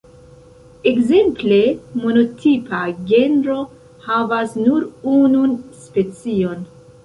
Ekzemple, monotipa genro havas nur unun specion.